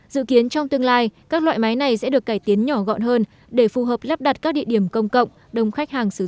dự kiến trong tương lai các loại máy này sẽ được cải tiến nhỏ gọn hơn để phù hợp lắp đặt các địa điểm công cộng đông khách hàng sử dụng